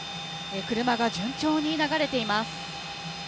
車が順調に流れています。